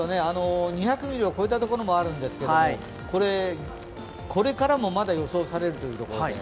２００ミリを超えた所もあるんですが、これからもまだ予想されるということで。